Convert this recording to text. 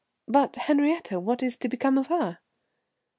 "But Henriette what is to become of her?"